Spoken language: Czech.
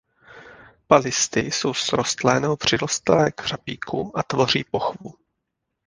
Palisty jsou srostlé nebo přirostlé k řapíku a tvoří pochvu.